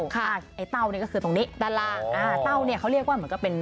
ไอ้เต้านี่ก็คือตรงนี้ด้านล่างอ่าเต้าเนี่ยเขาเรียกว่าเหมือนกับเป็น